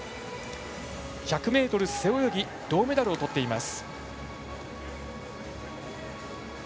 １００ｍ背泳ぎ銅メダルをとっています。